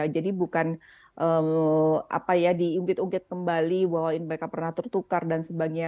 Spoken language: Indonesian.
jadi bukan diungkit ungkit kembali bahwa mereka pernah tertukar dan sebagainya